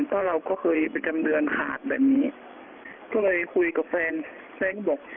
เพราะเราก็เคยประจำเดือนขาดแบบนี้ก็เลยคุยกับแฟนแฟนก็บอก